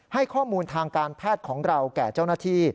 ให้ข้อมูลทางการแพทย์ของเราแก่เจ้าหน้าที่